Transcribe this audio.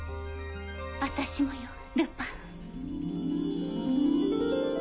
私もよルパン。